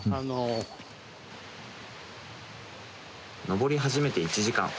登り始めて１時間。